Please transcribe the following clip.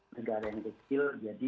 negara yang kecil jadi